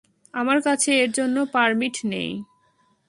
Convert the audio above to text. আমার কাছে এরজন্য পারমিট নেই।